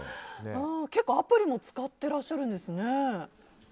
結構アプリも使ってらっしゃるんですね。